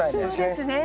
そうですね。